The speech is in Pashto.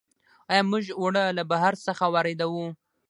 آیا موږ اوړه له بهر څخه واردوو؟